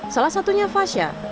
salah satunya fasya